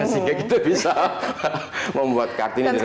sehingga kita bisa membuat kartini jelas